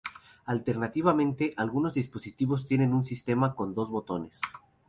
Alternativamente, algunos dispositivos tienen un sistema con dos botones.